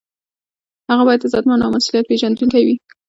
هغه باید عزتمند او مسؤلیت پیژندونکی وي.